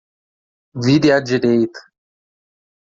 Vire a direita.